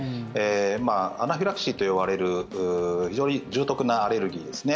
アナフィラキシーと呼ばれる非常に重篤なアレルギーですね。